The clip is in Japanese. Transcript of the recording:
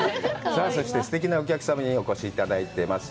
さあ、そして、すてきなお客様にお越しいただいてます。